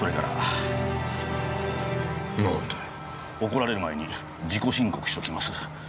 怒られる前に自己申告しときます。